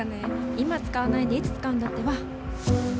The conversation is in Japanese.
今使わないでいつ使うんだってば！